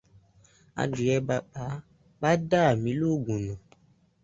Adìyẹ bàbá ba dàmí lóògùn nù.